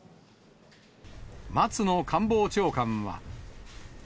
松野官房長官は。